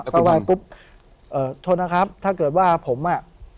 กะไหวทุกเอ่อโทนนะครับถ้าเกิดว่าผมอ่ะ